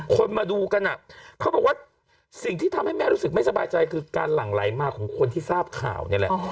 คนมาดูกันเขาบอกว่าสิ่งที่ทำให้แม่รู้สึกไม่สบายใจคือการหลั่งไหลมาของคนที่ทราบข่าวนี่แหละ